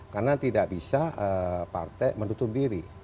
karena tidak bisa partai menutup diri